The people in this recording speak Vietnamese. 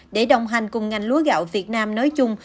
để đồng hành cùng ngành lúa gạo việt nam nói chung